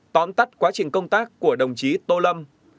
tóm tắt quá trình công tác của đồng chí tô lâm